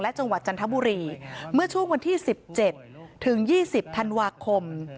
จังหวัดจันทบุรีเมื่อช่วงวันที่๑๗ถึง๒๐ธันวาคม